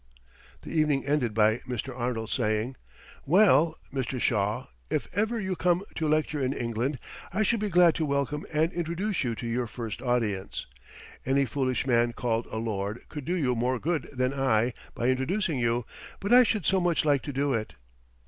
The evening ended by Mr. Arnold saying: "Well, Mr. Shaw, if ever you come to lecture in England, I shall be glad to welcome and introduce you to your first audience. Any foolish man called a lord could do you more good than I by introducing you, but I should so much like to do it."